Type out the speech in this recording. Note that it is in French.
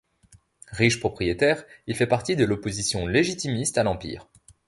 Riche propriétaire, il fait partie de l'opposition légitimiste à l'Empire.